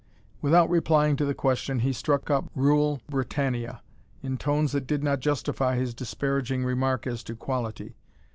Without replying to the question he struck up "Rule Britannia" in tones that did not justify his disparaging remark as to quality.